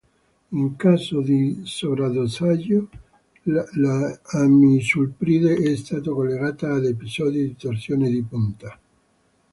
In caso di sovradosaggio l'amisulpride è stato collegata ad episodi di torsione di punta.